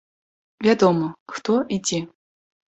Вядома, хто і дзе.